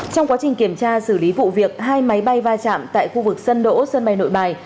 trong quá trình kiểm tra xử lý vụ việc hai máy bay va chạm tại khu vực sân đỗ sân bay nội bài